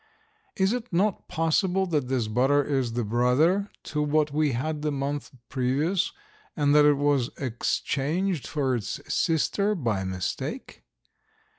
Is it not possible that this butter is the brother to what we had the month previous, and that it was exchanged for its sister by mistake?